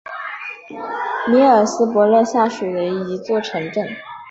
米尔斯伯勒下属的一座城镇。